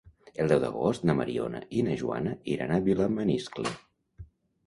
El deu d'agost na Mariona i na Joana iran a Vilamaniscle.